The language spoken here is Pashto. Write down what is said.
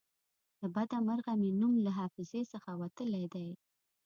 له بده مرغه مې نوم له حافظې څخه وتلی دی.